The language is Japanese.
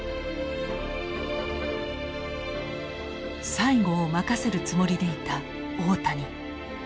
最後を任せるつもりでいた大谷。